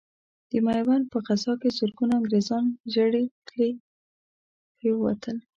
د ميوند په غزا کې زرګونه انګرېزان ژړې تلې پرې وتل.